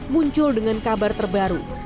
muncul dengan kabar terbaru